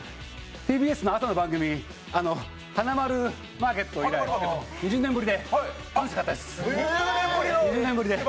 ＴＢＳの朝の番組、「はなまるマーケット」以来２０年ぶりで楽しかったです。